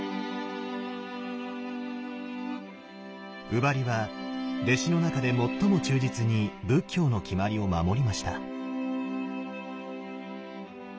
優婆離は弟子の中で最も忠実に仏教の決まりを守りました。